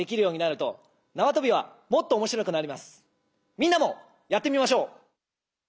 みんなもやってみましょう。